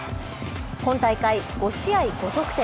今大会５試合５得点。